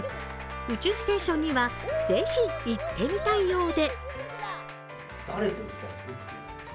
宇宙ステーションにはぜひ行ってみたいようで。